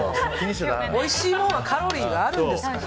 おいしいもんはカロリーがあるんです。